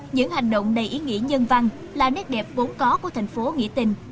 những hành động đầy ý nghĩa nhân văn là nét đẹp bốn có của tp hcm